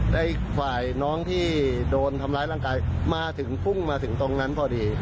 และอีกฝ่ายน้องที่โดนทำร้ายร่างกายมาถึงพุ่งมาถึงตรงนั้นพอดี